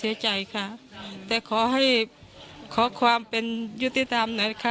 เสียใจค่ะแต่ขอให้ขอความเป็นยุติธรรมหน่อยค่ะ